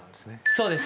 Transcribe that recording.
そうです